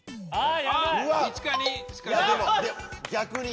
はい。